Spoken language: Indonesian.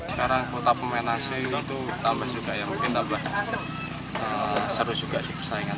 sekarang kota pemain asing itu tambah juga ya mungkin tambah seru juga sih persaingan